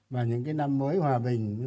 và những cái năm mới hòa bình